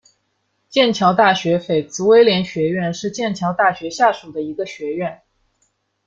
剑桥大学菲茨威廉学院是剑桥大学下属的一个学院。